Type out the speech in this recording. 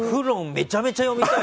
めちゃくちゃ読みたい！